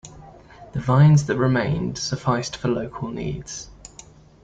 The vines that remained sufficed for local needs.